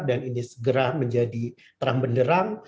dan ini segera menjadi terang benderang